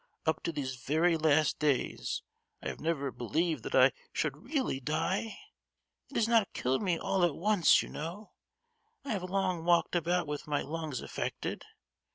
Up to these very last days I have never believed that I should really die; it has not killed me all at once, you know. I have long walked about with my lungs affected.